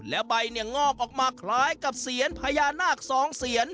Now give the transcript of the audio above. และใบเนี่ยงอกออกมาคล้ายกับเสียญพญานาคสองเสียน